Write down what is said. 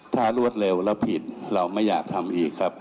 ถ้ารวดเร็วแล้วผิดเราไม่อยากทำอีกครับ